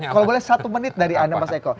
kalau boleh satu menit dari anda mas eko